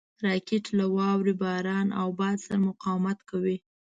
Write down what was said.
راکټ له واورې، باران او باد سره مقاومت کوي